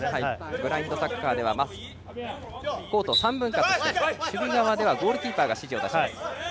ブラインドサッカーではコートを３分割して守備側ではゴールキーパーが指示を出します。